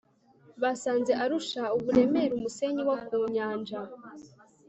basanze arusha uburemere umusenyi wo ku nyanja